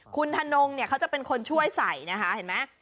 คุณธนงเนี่ยเขาจะเป็นคนช่วยใส่นะคะเห็นไหม